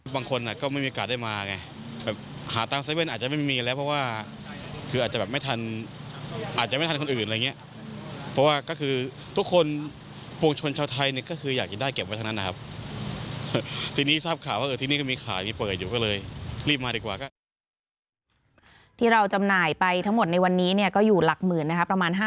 บางคนอ่ะก็ไม่มีโอกาสได้มาไงแบบหาตามเซเว่นอาจจะไม่มีแล้วเพราะว่าคืออาจจะแบบไม่ทันอาจจะไม่ทันคนอื่นอะไรเงี้ยเพราะว่าก็คือทุกคนปวงชนชาวไทยเนี่ยก็คืออยากจะได้เก็บไว้ทั้งนั้นนะครับทีนี้ทราบข่าวว่าที่นี่ก็มีขายเปิดอยู่ก็เลยรีบมาดีกว่าก็ที่เราจำหน่ายไปทั้งหมดในวันนี้เนี่ยก็อยู่หลักหม